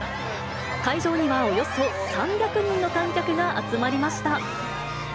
会場にはおよそ３００人の観客が集まりました。